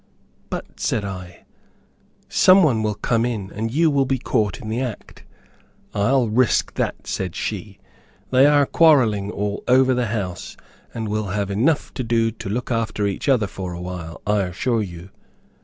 "But," said I, "some one will come in, and you will be caught in the act." "I'll risk that," said she, "they are quarreling all over the house, and will have enough to do to look after each other for a while, I assure you."